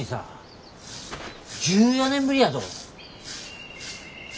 １４年ぶりやぞ。